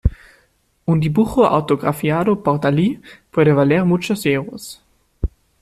Un dibujo autografiado por Dalí puede valer muchos euros.